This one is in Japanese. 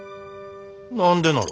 何でなら。